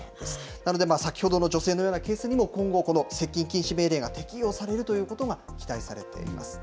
なので、先ほどの女性のようなケースにも今後、この接近禁止命令が適用されるということが期待されています。